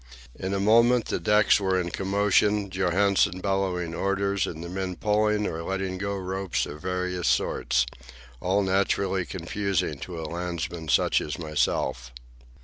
In a moment the decks were in commotion, Johansen bellowing orders and the men pulling or letting go ropes of various sorts—all naturally confusing to a landsman such as myself.